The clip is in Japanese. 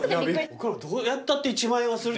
どうやったって１万円はする。